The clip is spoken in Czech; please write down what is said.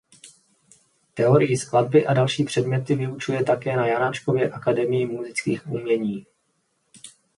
Teorii skladby a další předměty vyučuje také na Janáčkově akademii múzických umění.